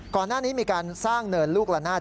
ก่อนหน้านี้มีการสร้างเนินลูกละนาด